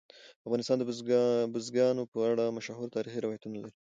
افغانستان د بزګانو په اړه مشهور تاریخي روایتونه لري.